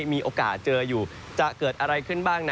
มีโอกาสเจออยู่จะเกิดอะไรขึ้นบ้าง